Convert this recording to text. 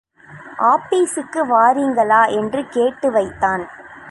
ஆபீஸிற்கு வாரீங்களா என்று கேட்டு வைத்தான்.